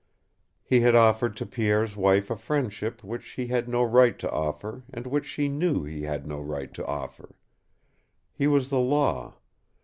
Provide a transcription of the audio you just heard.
He had offered to Pierre's wife a friendship which he had no right to offer and which she knew he had no right to offer. He was the Law.